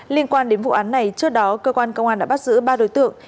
liên quan đến vụ án này trước đó cơ quan công an đã bắt giữ ba đối tượng